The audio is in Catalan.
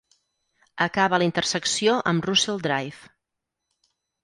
Acaba a la intersecció amb Russell Drive.